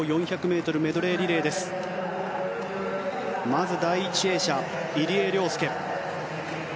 まず第１泳者、入江陵介。